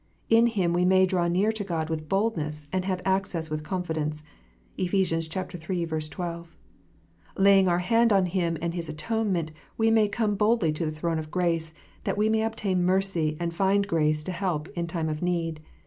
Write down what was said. In Him we may draw near to God with boldness, and have access with confidence. (Ephes. iii. 12.) Laying our hand on Him and His atonement, we may " come boldly to the throne of grace, that we may obtain mercy and find grace to help in time of need."